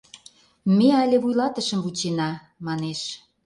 — Ме але вуйлатышым вучена, манеш.